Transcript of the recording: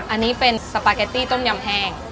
อันนี้เป็นสปาเกตตี้ต้มยำแห้ง